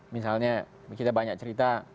misalnya kita banyak cerita